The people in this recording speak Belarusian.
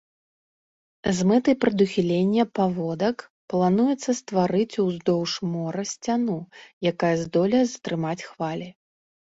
З мэтай прадухілення паводак плануецца стварыць уздоўж мора сцяну, якая здолее затрымаць хвалі.